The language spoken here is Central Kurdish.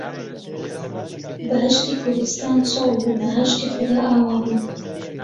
بەهەشتی کوردستان چۆڵ بوو، بەهەشتی خودا ئاوا بوو